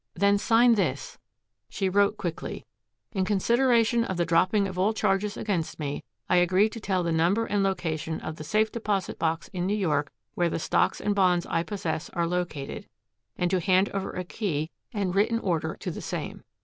"Then sign this." She wrote quickly: "In consideration of the dropping of all charges against me, I agree to tell the number and location of the safe deposit box in New York where the stocks and bonds I possess are located and to hand over a key and written order to the same.